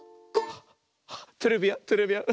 トレビアントレビアン。